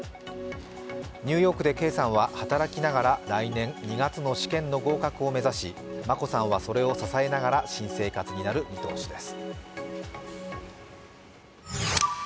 ニューヨークで圭さんは働きながら来年２月の試験の合格を目指し眞子さんはそれを支えながら新生活になる見通しです。